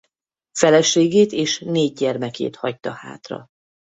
Feleségét és négy gyermekét hagyta hátra.